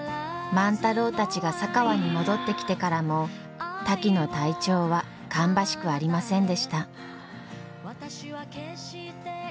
万太郎たちが佐川に戻ってきてからもタキの体調は芳しくありませんでした。